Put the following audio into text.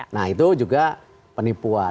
nah itu juga penipuan